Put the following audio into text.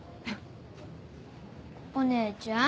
お姉ちゃん。